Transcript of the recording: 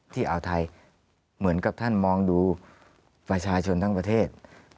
อ่าวไทยเหมือนกับท่านมองดูประชาชนทั้งประเทศ